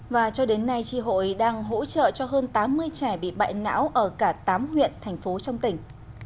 và cho đến nay tri hội đang hỗ trợ cho hơn tám mươi trẻ bị bại não ở cả tám huyện thành phố trong tỉnh